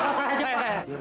eh pak saya pak saya pak